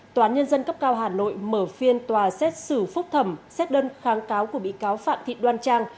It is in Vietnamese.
tòa án nhân dân cấp cao hà nội mở phiên tòa xét xử phúc thẩm xét đơn kháng cáo của bị cáo phạm thị đoan trang